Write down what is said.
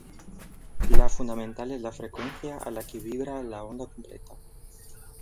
La fundamental es la frecuencia a la que vibra la onda completa.